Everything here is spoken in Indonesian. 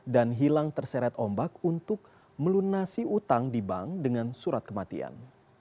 dan hilang terseret ombak untuk melunasi utang di bank dengan surat kematian